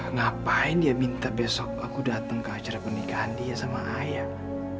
ngapain dia minta besok aku datang ke acara pernikahan dia sama ayam